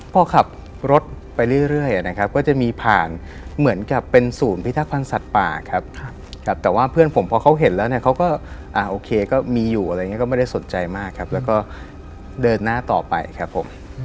พอขับรถไปเรื่อยนะครับก็จะมีผ่านเหมือนกับเป็นศูนย์พิทักษพันธ์สัตว์ป่าครับแต่ว่าเพื่อนผมพอเขาเห็นแล้วเนี่ยเขาก็โอเคก็มีอยู่อะไรอย่างนี้ก็ไม่ได้สนใจมากครับแล้วก็เดินหน้าต่อไปครับผม